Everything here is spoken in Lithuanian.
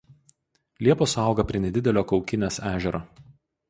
Liepos auga prie nedidelio Kaukinės ežero.